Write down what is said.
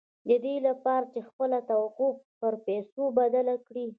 د دې لپاره چې خپله توقع پر پيسو بدله کړئ.